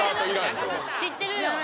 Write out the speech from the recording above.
やろ知ってるよ